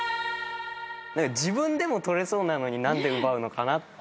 自分でも捕れそうなのに何で奪うのかなっていう。